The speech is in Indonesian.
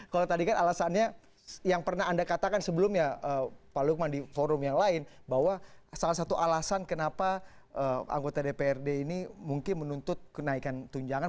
kalau tadi kan alasannya yang pernah anda katakan sebelumnya pak lukman di forum yang lain bahwa salah satu alasan kenapa anggota dprd ini mungkin menuntut kenaikan tunjangan